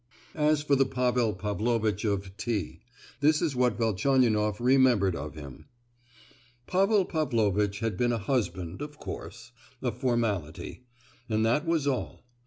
As for the Pavel Pavlovitch of T——, this is what Velchaninoff remembered of him: Pavel Pavlovitch had been a husband, of course,—a formality,—and that was all.